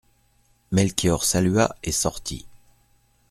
Melchior salua et sortit.